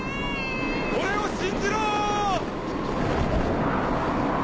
俺を信じろ！